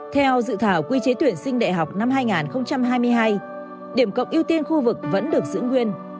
theo dự thảo quy chế tuyển sinh đại học năm hai nghìn hai mươi hai điểm cộng ưu tiên khu vực vẫn được giữ nguyên